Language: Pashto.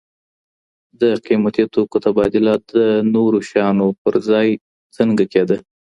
د قیمتي توکو تبادله د نورو شیانو پر ځای څنګه کيده؟